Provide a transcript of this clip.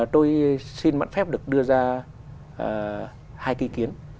tôi xin mạnh phép được đưa ra hai ký kiến